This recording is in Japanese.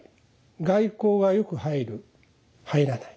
外光がよく入る入らない。